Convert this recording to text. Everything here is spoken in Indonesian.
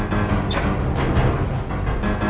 kamu ke mobil duluan ya